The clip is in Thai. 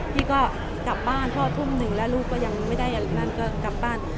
พี่ก็กลับบ้านพอทุ่มหนึ่งแล้วลูกก็ยังไม่ได้กลับบ้าน